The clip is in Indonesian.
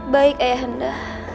baik ayah anda